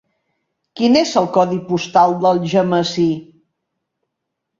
Quin és el codi postal d'Algemesí?